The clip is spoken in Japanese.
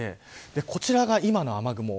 こちらが今の雨雲。